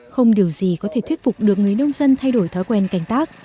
không điều gì có thể thuyết phục được người nông dân thay đổi thói quen canh tác